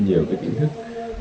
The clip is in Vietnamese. nhiều cái kiến thức